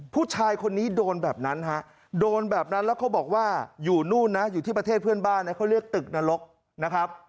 ผู้ชายคนนี้โดนแบบนั้นฮะโดนแบบนั้นแล้วเขาบอกว่าอยู่นู่นนะอยู่ที่ประเทศเพื่อนบ้านนะเขาเรียกตึกนรกนะครับ